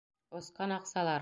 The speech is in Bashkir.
Осҡан аҡсалар.